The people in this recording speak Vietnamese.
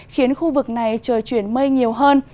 khiến khu vực này trời chuyển mây nhiều hơn